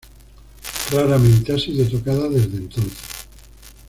Raramente ha sido tocada desde entonces.